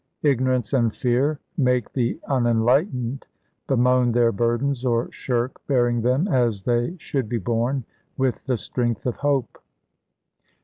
Ignorance and fear make the unenlightened bemoan their burdens, or shirk bearing them, as they should be borne, with the strength of hope.